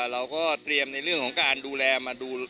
เราก็เตรียมในเรื่องของการดูแลมาดู